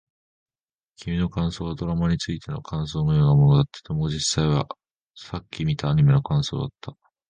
君の感想はドラマについての感想のようだった。でも、実際はさっき見たアニメの感想だった。